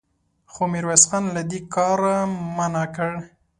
خو ميرويس خان له دې کاره منع کړ.